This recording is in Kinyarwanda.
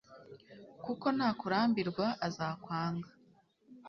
kuko nakurambirwa, azakwanga